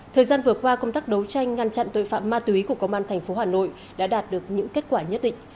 thời gian vừa qua công tác đấu tranh ngăn chặn tội phạm ma túy của công an tp hà nội đã đạt được những kết quả nhất định